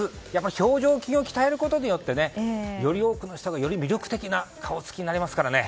表情筋を鍛えることでより多くの人が魅力的な顔つきになりますから。